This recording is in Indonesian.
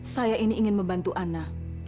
saya ini ingin membantu ana